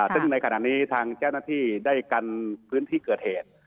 ซึ่งในขณะนี้ทางเจ้าหน้าที่ได้กันพื้นที่เกิดเหตุ